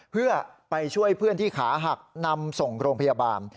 เพื่อไปช่วยเพื่อนที่ขาหักนำส่งโรงพยาบาล